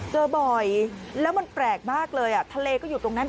เจอบ่อยแล้วมันแปลกมากเลยทะเลก็อยู่ตรงนั้น